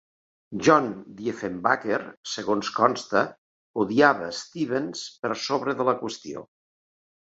John Diefenbaker, segons consta, "odiava" Stevens per sobre de la qüestió.